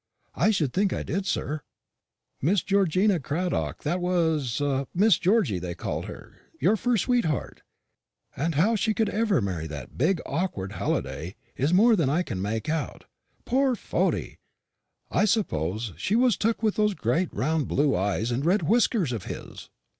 "I should think I did, sir; Miss Georgina Cradock that was Miss Georgy they called her; your first sweetheart. And how she could ever marry that big awkward Halliday is more than I can make out. Poor fondy! I suppose she was took with those great round blue eyes and red whiskers of his."